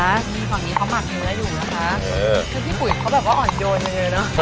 นี่ฝั่งนี้เขามักเนื้อได้ดูนะคะเออแล้วพี่ปุ๋ยเขาแบบว่าอ่อนโจนเนื้อเนอะ